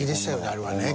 あれはね。